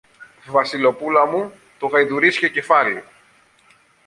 Βασιλοπούλα μου, το γαϊδουρίσιο κεφάλι!